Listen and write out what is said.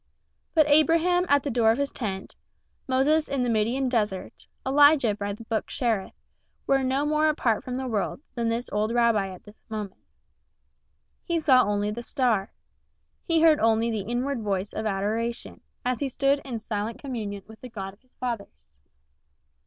But Abraham at the door of his tent, Moses in the Midian desert, Elijah by the brook Cherith, were no more apart from the world than this old rabbi at this moment. He saw only the star. He heard only the inward voice of adoration, as he stood in silent communion with the God of his fathers.